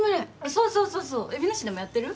そうそうそう、えびの市でもやってる？